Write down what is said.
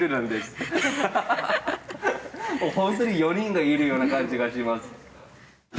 本当に４人がいるような感じがします。